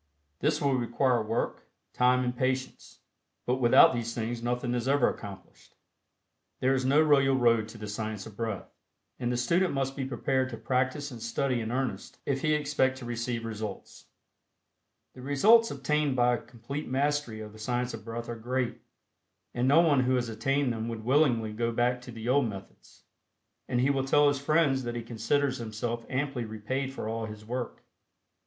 This will require work, time and patience, but without these things nothing is ever accomplished. There is no royal road to the Science of Breath, and the student must be prepared to practice and study in earnest if he expect to receive results. The results obtained by a complete mastery of the Science of Breath are great, and no one who has attained them would willingly go back to the old methods, and he will tell his friends that he considers himself amply repaid for all his work.